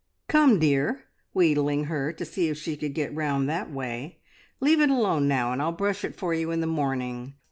Come, dear,' wheedling her to see if she could get round that way, `leave it alone now, and I'll brush it for you in the morning.